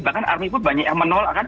bahkan army pun banyak yang menolak